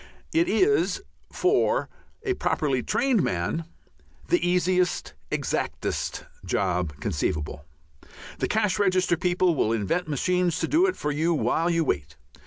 It is, for a properly trained man, the easiest, exactest job conceivable. The Cash Register people will invent machines to do it for you while you wait.